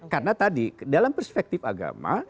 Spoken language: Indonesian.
karena tadi dalam perspektif agama